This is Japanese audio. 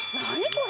これ。